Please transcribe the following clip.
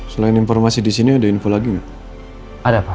selain informasi di sini ada info lagi nggak ada pak